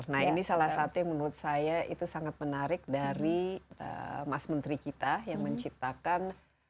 nah ini salah satu yang menurut saya itu sangat menarik dari mas menteri kita yang menciptakan